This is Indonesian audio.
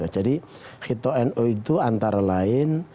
jadi kito nu itu antara lain